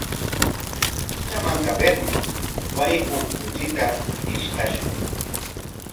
Pachamankapaqmi waray huk kuchita pishqashun.